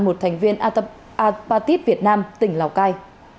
một thành viên apatit việt nam tỉnh lào cai